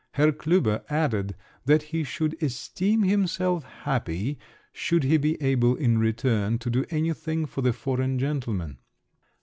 Herr Klüber added that he should esteem himself happy should he be able in return to do anything for the foreign gentleman.